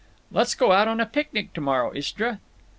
"Let's go out on a picnic to morrow, Istra."